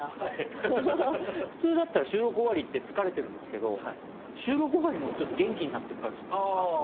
普通だったら収録終わりって疲れてるんですけど収録終わりの方がちょっと元気になってる感じというか。